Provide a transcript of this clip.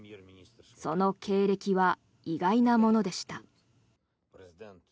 その経歴は意外なものでした。